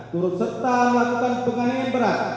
turut serta melakukan penganiayaan berat